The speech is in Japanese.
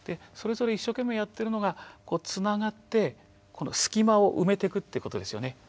それぞれ一生懸命やってるのがつながってこの隙間を埋めてくってことですよね。